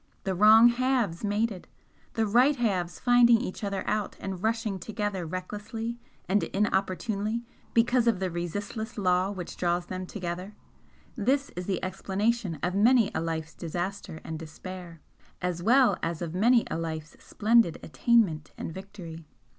The wrong halves mated, the right halves finding each other out and rushing together recklessly and inopportunely because of the resistless Law which draws them together, this is the explanation of many a life's disaster and despair, as well as of many a life's splendid attainment and victory.